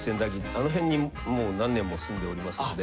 あのへんに何年も住んでおりますので。